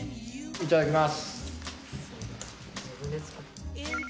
いただきます。